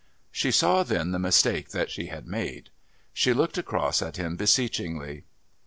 She saw then the mistake that she had made. She looked across at him beseechingly.